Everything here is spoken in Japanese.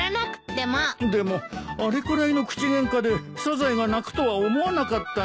でもあれくらいの口げんかでサザエが泣くとは思わなかったよ。